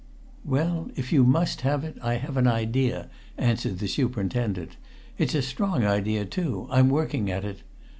"Well, if you must have it, I have an idea," answered the superintendent. "It's a strong idea too. I'm working at it.